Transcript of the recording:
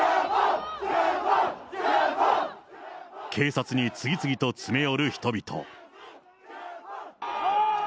警察に次々と詰め寄る人々。